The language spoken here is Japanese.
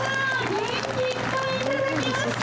元気いっぱい頂きました。